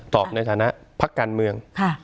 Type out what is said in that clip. ในฐานะพักการเมือง